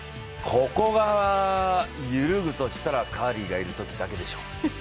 ここが揺るぐとしたらカーリーがいるときだけでしょう。